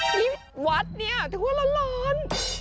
นี่วัดเนี่ยถือว่าร้อน